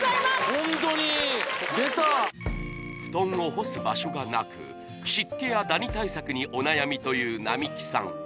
ホントに出たふとんを干す場所がなく湿気やダニ対策にお悩みという並木さん